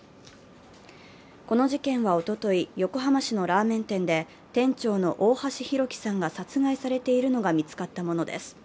この事件はおととい、横浜市のラーメン店で店長の大橋弘輝さんが殺害されているのが見つかったものです。